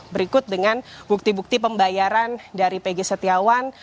berikut dengan bukti bukti pembayaran dari pg setiawan